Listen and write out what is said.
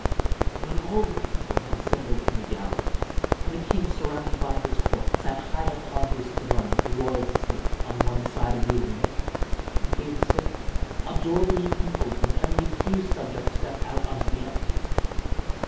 When all the people had assembled in the galleries, and the king, surrounded by his court, sat high up on his throne of royal state on one side of the arena, he gave a signal, a door beneath him opened, and the accused subject stepped out into the amphitheater.